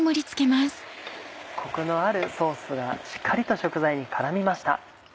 コクのあるソースがしっかりと食材に絡みました。